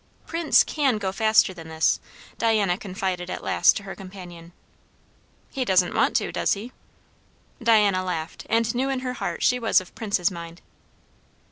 "Prince can go faster than this," Diana confided at last to her companion. "He doesn't want to, does he?" Diana laughed, and knew in her heart she was of Prince's mind.